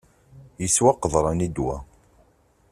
Yeswa qeḍran i ddwa.